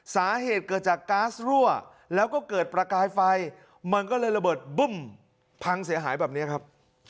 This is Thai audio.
สาเหตุเกิดจากก๊าซรั่วแล้วก็เกิดประกายไฟมันก็เลยระเบิดบึ้มพังเสียหายแบบนี้ครับ